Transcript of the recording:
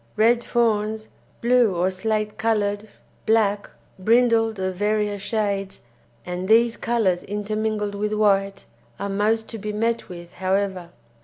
Red fawns, blue or slate coloured, black, brindled of various shades, and these colours intermingled with white, are most to be met with, however.